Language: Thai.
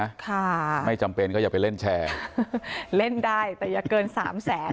ค่ะไม่จำเป็นก็อย่าไปเล่นแชร์เล่นได้แต่อย่าเกินสามแสน